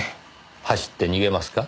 走って逃げますか？